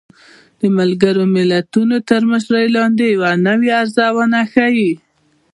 د ملګرو ملتونو تر مشرۍ لاندې يوه نوې ارزونه ښيي